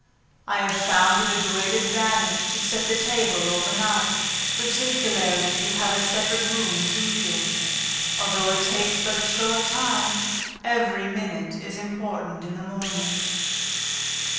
I have found it a great advantage to set the table over night, particularly if you have a separate room to eat in; although it takes but a short time, every minute is important in the morning.